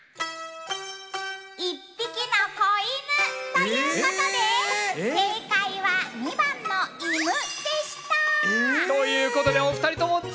一匹の子犬。ということで正解は２番の「犬」でした。ということでお二人とも残念！